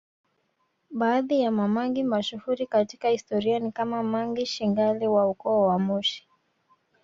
Baadhi ya Mamangi mashuhuri katika historia ni kama Mangi Shangali wa ukoo wa Mushi